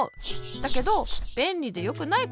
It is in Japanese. だけどべんりでよくないこともある。